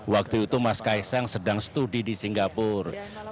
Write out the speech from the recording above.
waktu itu mas kaisang sedang studi di singapura